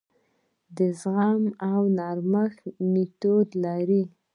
د زغم او نرمښت میتود لري.